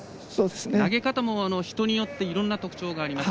投げ方も人によっていろんな特徴があります。